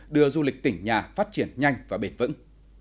đưa du lịch tỉnh nhà phát triển nhanh và bền vững